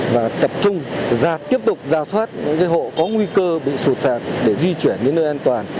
và tập trung ra tiếp tục ra soát những hộ có nguy cơ bị sụt sạt để di chuyển đến nơi an toàn